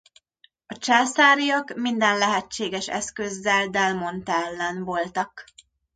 A császáriak minden lehetséges eszközzel del Monte ellen voltak.